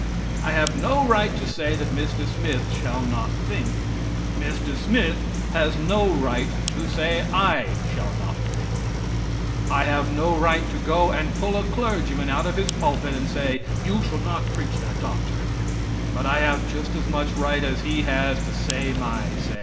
I have no right to say that Mr. Smith shall not think; Mr. Smith has no right to say I shall not think; I have no right to go and pull a clergyman out of his pulpit and say: "You shall not preach that doctrine," but I have just as much right as he has to say my say.